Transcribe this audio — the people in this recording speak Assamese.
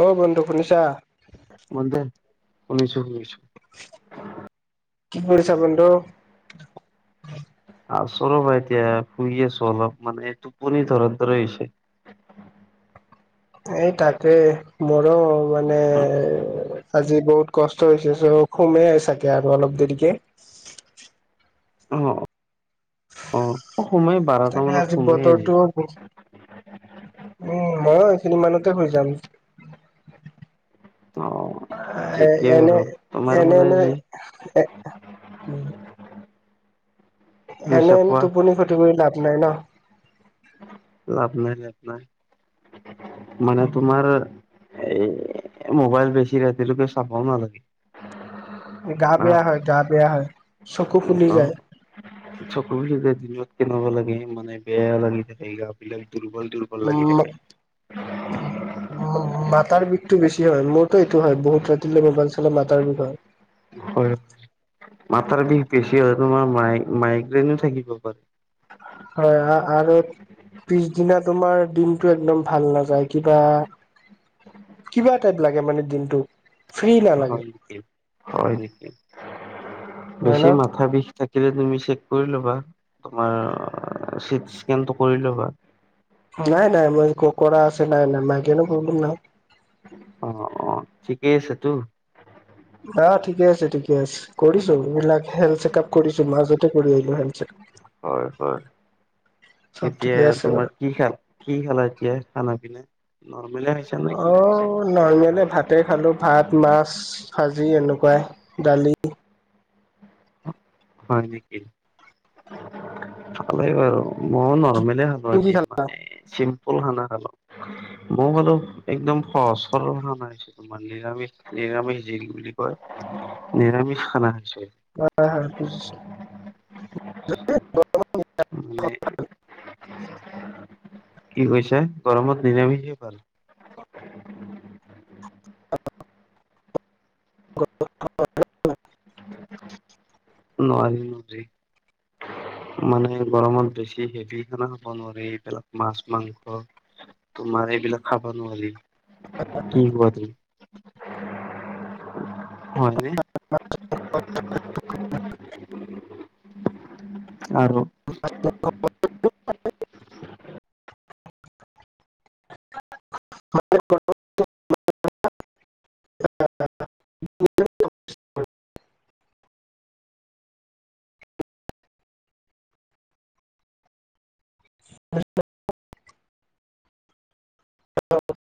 অ! বন্ধু শুনিছা? [unintelligible] শুনিছোঁ-শুনিছোঁ। কি কৰিছা বন্ধু? আছোঁ ৰ'বা এতিয়া শুই আছোঁ অলপ মানে টোপনি ধৰা ধৰে হৈছে। এই তাকে মোৰো মানে, অ', আজি বহুত কষ্ট হৈছে। চ' শুমে চাগে আৰু অলপ দেৰিকে। অঁ-অঁ! শুমেই তাকে বাৰটা মানত আজি শুমেই আজি। [unintelligible] উম, মইও এইখিনি মানতে শুই যাম। অ'। এই, ঠিকেই বাৰু এনেই, তোমাৰ এনেই, মানে এনেই, যি এ- উম। পইচা এনেই এনেই পোৱা টোপনি খতি কৰি লাভ নাই ন! লাভ নাই, লাভ নাই। মানে তোমাৰ- এই মোবাইল বেছি ৰাতিলৈকে চাবওঁ নালাগে। গা মানে বেয়া হয়, গা বেয়া হয়, চকু ফুলি অ'। যায়। চকু ফুলি যায়, দিনত কেনেবা লাগে মানে বেয়া লাগি থাকে, গা বিলাক দুৰ্বল দুৰ্বল- লাগি উম। থাকে। ম মাথাৰ বিষটো বেছি হয়। মোৰতো এইটো হয় বহুত ৰাতিলে মোবাইল চালে মাথাৰ বিষ হয়। হয়, মাথাৰ বিষ বেছি হয়, তোমাৰ মাই মাইগ্ৰেইনো থাকিব পাৰে। হয়, আ আৰু পিছদিনা তোমাৰ দিনটো একদম ভাল নাযায় কিবা- কিবা টাইপ লাগে মানে দিনটো! ফ্ৰী নালাগে হয় নেকি? হয় নেকি? হয় ন বেছি মাথাৰ বিষ- থাকিলে তুমি চেক কৰি ল'বা, তোমাৰ চিটি স্কেনটো কৰি ল'বা। নাই -নাই মই ক কৰা আছে, নাই- নাই মাইগ্ৰেইনৰ প্ৰব্লেম নাই। অঁ, অঁ ঠিকেই আছে তো। আহ ঠিকে আছে, ঠিকে আছে কৰিছো, এইবিলাক হেল্থ চেকআপ কৰিছো মাজতে কৰি আহিলো হেল্থ চেক- হয়, হয়। চব এতিয়া ঠিকে আছে তোমাৰ বাৰু কি খাল- কি খালা এতিয়া? খানা পিনে নৰ্মেলে খাইছো। অঁ। নৰ্মেলে, ভাতে খালোঁ ভাত, মাছ ভাজি এনেকুৱাই দালি। হয় নেকি? ভালেই বাৰু। মই নৰ্মেলে খালো তুমি কি আজি মানে চিম- ম্পল খানা খালো। ময়ো বাৰু একদম সহজ সৰল খানা হৈছে। তোমাৰ নিৰামিষ নিৰামিষ যি বুলি কয়, নিৰামিষ খানা খাইছোঁ। হয়, হয় বুজিছোঁ। মানে- কি কৈছা? গৰমত নিৰামিষে ভাল। [unintelligible] নোৱাৰিম যি- মানে গৰমত বেছি হেভি খানা খাব নোৱাৰি। এইবিলাক মাছ, মাংস- তোমাৰ এইবিলাক খাবা নোৱাৰি, কি কোৱা তুমি? হয়নে? [unintelligible] আৰু- [unintelligible] [unintelligible] [unintelligible] [unintelligible] হেল্ল'।